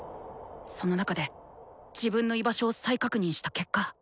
その中で自分の居場所を再確認した結果。